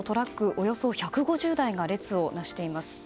およそ１５０台が列をなしています。